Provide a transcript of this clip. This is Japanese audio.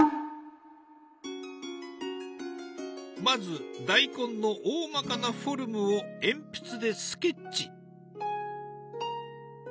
まず大根のおおまかなフォルムを鉛筆でスケッチ。